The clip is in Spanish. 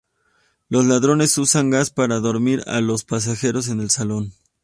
Los ladrones usan gas para dormir a los pasajeros en el salón.